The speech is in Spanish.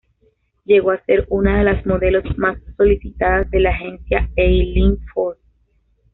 Llegó a ser una de las modelos más solicitadas de la agencia Eileen Ford.